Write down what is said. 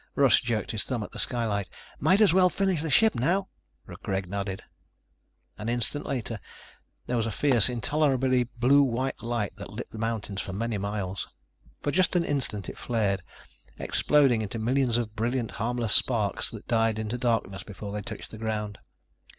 Russ jerked his thumb at the skylight. "Might as well finish the ship now." Greg nodded. An instant later there was a fierce, intolerably blue white light that lit the mountains for many miles. For just an instant it flared, exploding into millions of brilliant, harmless sparks that died into darkness before they touched the ground.